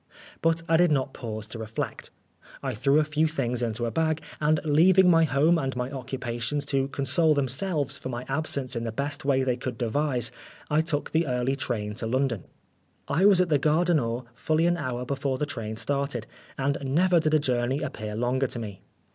But I did not pause to reflect. I threw a few things into a bag, and leaving my home and my occupations to console themselves for my absence in the best way they could devise, I took the early train to London. I was at the Gare du Nord fully an hour before the train started, and never did a journey appear longer to me.